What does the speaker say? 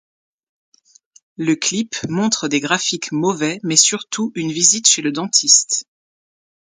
Le clip montre des graphiques mauvais, mais surtout une visite chez le dentiste.